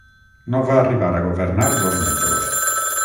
No va arribar a governar dos mesos.